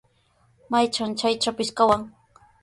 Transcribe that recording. Maytraw chaytrawpis kawan.